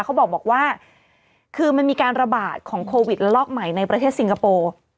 เขาบอกว่าคือมันมีการระบาดของโควิดละลอกใหม่ในประเทศสิงคโปร์